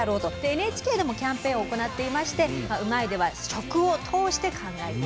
ＮＨＫでもキャンペーンを行っていまして「うまいッ！」では食を通して考えていこうと。